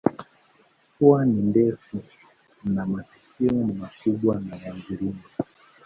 Pua ni ndefu na masikio ni makubwa na ya mviringo.